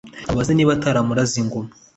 amubaza niba ataramuraze ingoma ?